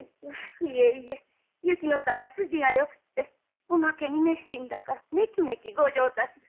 いえいえ雪野さんは筋がよくっておまけに熱心だからめきめきご上達。